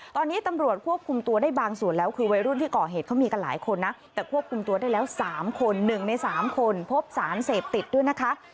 ตอนนี้ตำรวจควบคุมตัวได้บางส่วนแล้วคือวัยรุ่นที่ก่อเหตุเขามีกันหลายคนนะแต่ควบคุมตัวได้แล้ว๓คน๑ใน๓คนพบสารเสพติดด้วยนะคะ